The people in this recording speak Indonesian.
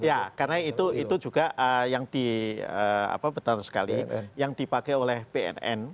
ya karena itu juga yang di apa betul sekali yang dipakai oleh pnn